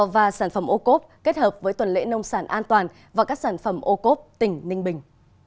và sản phẩm ô cốp kết hợp với tuần lễ nông sản an toàn và các sản phẩm ô cốp tỉnh ninh bình